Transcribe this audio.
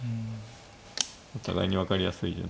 お互いに分かりやすい順。